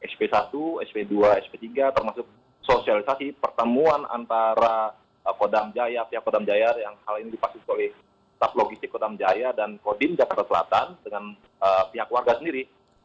sp satu sp dua sp tiga termasuk sosialisasi pertemuan antara kodam jaya pihak kodam jaya yang hal ini dipastikan oleh staf logistik kodam jaya dan kodim jakarta selatan dengan pihak warga sendiri